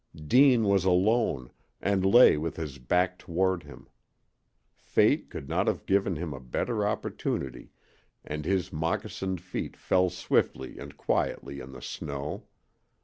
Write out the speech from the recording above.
Deane was alone, and lay with his back toward him. Fate could not have given him a better opportunity, and his moccasined feet fell swiftly and quietly in the snow.